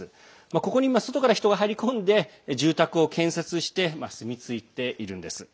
ここに外から人が入り込んで住宅を建設して住み着いているのです。